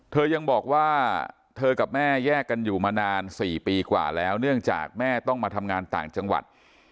ยังบอกว่าเธอกับแม่แยกกันอยู่มานาน๔ปีกว่าแล้วเนื่องจากแม่ต้องมาทำงานต่างจังหวัด